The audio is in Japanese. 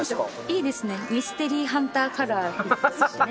いいですねミステリーハンターカラーですしね